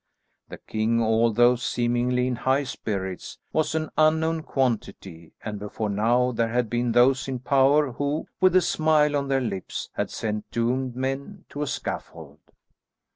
The king, although seemingly in high spirits, was an unknown quantity, and before now there had been those in power who, with a smile on their lips, had sent doomed men to a scaffold.